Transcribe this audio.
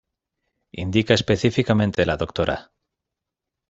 Indica específicamente la Dra.